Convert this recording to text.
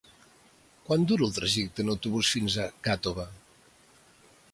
Quant dura el trajecte en autobús fins a Gàtova?